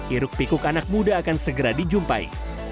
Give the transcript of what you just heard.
iruk pikuk anak muda akan segera dijumpai